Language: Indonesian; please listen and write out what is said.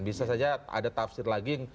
bisa saja ada tafsir lagi